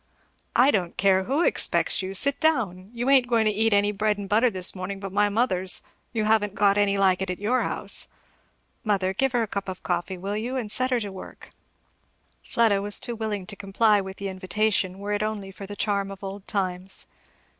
"I don't care who expects you sit down! you ain't going to eat any bread and butter this morning but my mother's you haven't got any like it at your house. Mother, give her a cup of coffee, will you, and set her to work." Fleda was too willing to comply with the invitation, were it only for the charm of old times.